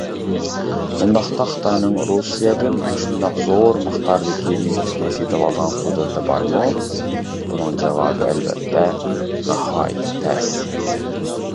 ئۇنداقتا خىتاينىڭ رۇسىيەدىن مۇشۇنداق زور مىقداردىكى نېفىتنى سېتىۋالىدىغان قۇدرىتى بارمۇ؟ بۇنىڭ جاۋابى ئەلۋەتتە «ناھايىتى تەس».